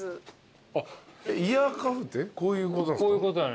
イヤーカフってこういうことなんですか。